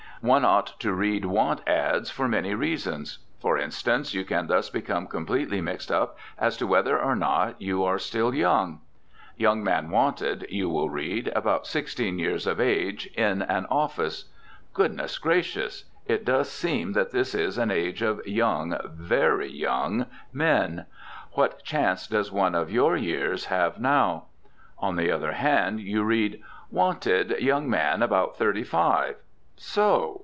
One ought to read want "ads" for many reasons. For instance, you can thus become completely mixed up as to whether or not you are still young. "Young man wanted," you will read, "about sixteen years of age, in an office." Goodness gracious! It does seem that this is an age of young, very young, men. What chance does one of your years have now? On the other hand, you read: "Wanted, young man, about thirty five." So!